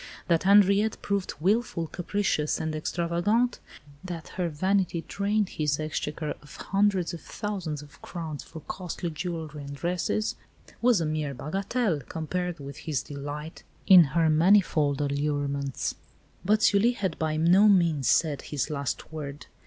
That Henriette proved wilful, capricious, and extravagant that her vanity drained his exchequer of hundreds of thousands of crowns for costly jewellery and dresses, was a mere bagatelle, compared with his delight in her manifold allurements. But Sully had by no means said his last word.